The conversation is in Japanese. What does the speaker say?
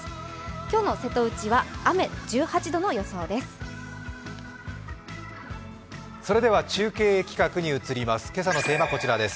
今日の瀬戸内は雨、１８度の予想です。